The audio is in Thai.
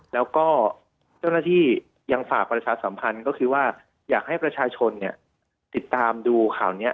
แล้วก็เจ้าหน้าที่ยังฝากประชาสัมพันธ์ก็คือว่าอยากให้ประชาชนติดตามดูข่าวนี้